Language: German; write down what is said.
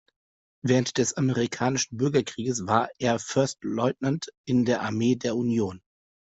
Während des Amerikanischen Bürgerkrieges war er First Lieutenant in der Armee der Union.